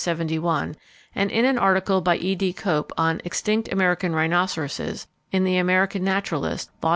71; and in an article by E. D. Cope on "Extinct American Rhinoceroses," in The American Naturalist, Vol.